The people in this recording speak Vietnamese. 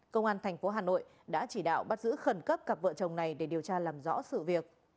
công an thành phố hà nội đã chỉ đạo bắt giữ khẩn cấp cặp vợ chồng này để điều tra làm rõ sự việc